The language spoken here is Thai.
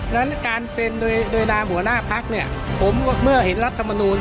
และการเซ็นโดยดาหัวหน้าพักผมเมื่อเห็นรัฐมนูล